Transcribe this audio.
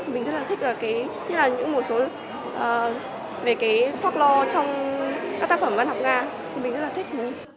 mình rất là thích những một số pháp lo trong các tác phẩm văn học nga mình rất là thích